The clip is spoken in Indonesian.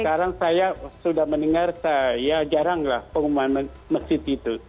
sekarang saya sudah mendengar ya jaranglah pengumuman masjid itu